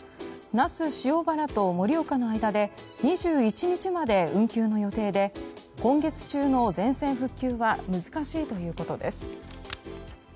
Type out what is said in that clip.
那須塩原と盛岡の間で２１日まで運休の予定で今月中の全線復旧は難しいということです。